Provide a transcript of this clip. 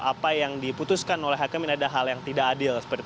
apa yang diputuskan oleh hakim ini ada hal yang tidak adil